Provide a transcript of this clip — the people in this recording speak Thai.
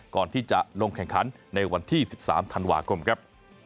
ก่อนที่จะลงแข่งขันในวันที่๑๓ธันวาคมครับ